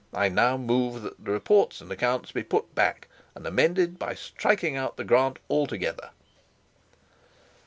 I now move that the report and accounts be put back, and amended by striking out the grant altogether."